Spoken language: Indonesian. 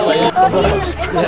pak klam pak